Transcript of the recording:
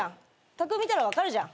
卓見たら分かるじゃん。